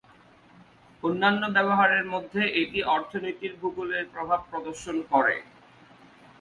অন্যান্য ব্যবহারের মধ্যে এটি অর্থনীতির ভূগোলের প্রভাব প্রদর্শন করে।